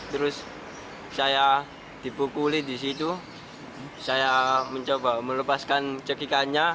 terus saya dipukuli di situ saya mencoba melepaskan cekikannya